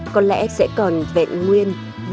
có lẽ sẽ còn vẹn nguyên đến tận bây giờ